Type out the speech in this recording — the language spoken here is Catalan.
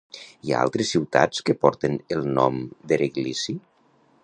Hi ha altres ciutats què porten el nom d'Ereğlisi?